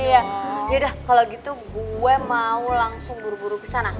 iya yaudah kalau gitu gue mau langsung buru buru kesana